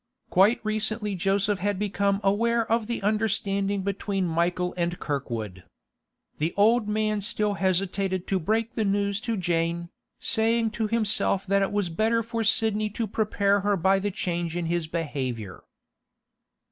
Quite recently Joseph had become aware of the understanding between Michael and Kirkwood. The old man still hesitated to break the news to Jane, saying to himself that it was better for Sidney to prepare her by the change in his behaviour.